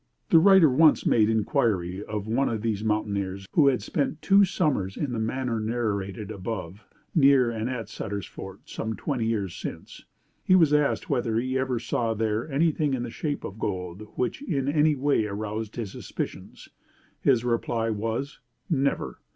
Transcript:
The writer once made inquiry of one of these mountaineers who had spent two summers in the manner narrated above near and at Sutter's Fort some twenty years since. He was asked whether he ever saw there anything in the shape of gold which in any way aroused his suspicions? His reply was: "Never.